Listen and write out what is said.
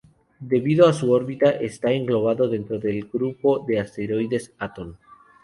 Debido a su órbita, está englobado dentro del grupo de asteroides Atón.